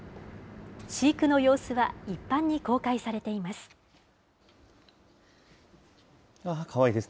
飼育の様子は一般に公開されています。